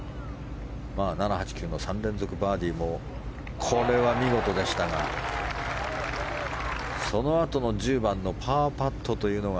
７、８、９の３連続バーディーもこれは見事でしたがそのあとの１０番のパーパットというのが。